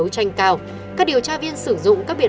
chỉ có cái tâm tâm